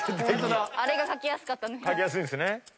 あれが描きやすかったんだ。